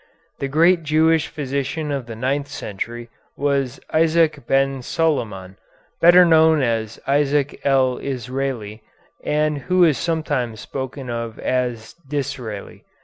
The great Jewish physician of the ninth century was Isaac Ben Soliman, better known as Isaac el Israili, and who is sometimes spoken of as d'Israeli.